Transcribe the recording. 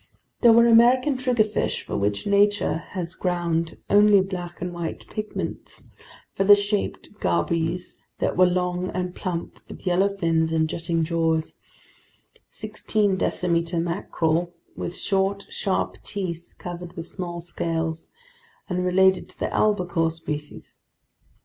There were American triggerfish for which nature has ground only black and white pigments, feather shaped gobies that were long and plump with yellow fins and jutting jaws, sixteen decimeter mackerel with short, sharp teeth, covered with small scales, and related to the albacore species.